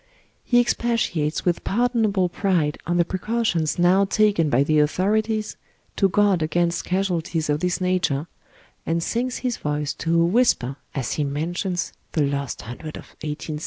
He expatiates with pardonable pride on the precautions now taken by the authorities to guard against casualties of this nature, and sinks his voice to a whisper as he mentions the lost hundred of 187 1.